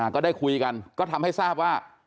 ก็ได้คุยกันก็ทำให้ทราบว่า